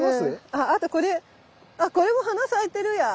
あとこれこれも花咲いてるや。